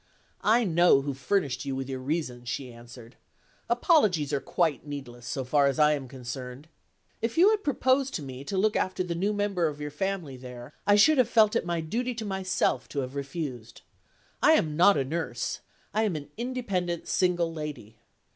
"I know who furnished you with your reasons," she answered. "Apologies are quite needless, so far as I am concerned. If you had proposed to me to look after the new member of your family there, I should have felt it my duty to myself to have refused. I am not a nurse I am an independent single lady.